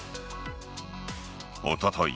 おととい